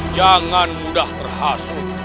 jangan mudah terhasuk